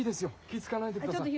気つかわないでください。